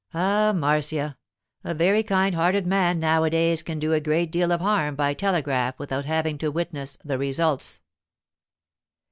'Ah, Marcia, a very kind hearted man nowadays can do a great deal of harm by telegraph without having to witness the results.